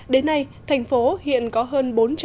đến nay thành phố hiện có hơn